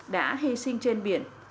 đã hy sinh trên biển